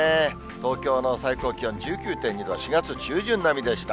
東京の最高気温１９．２度は、４月中旬並みでした。